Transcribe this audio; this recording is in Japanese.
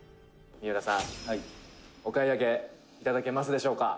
「三浦さん、お買い上げ頂けますでしょうか？」